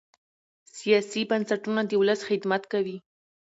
سیاسي بنسټونه د ولس خدمت کوي